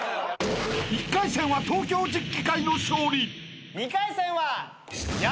［１回戦は東京十期會の勝利］